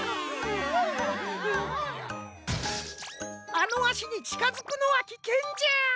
あのあしにちかづくのはきけんじゃ。